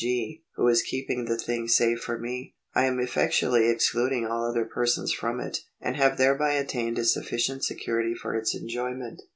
254 POSSESSION [§ 101 bailee or pledgee, who is keeping the thing safe for me, I am effectually excluding all other persons from it, and have thereby attained a sufficient security for its enjoyment.